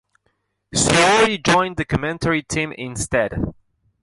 Syuri joined the commentary team instead.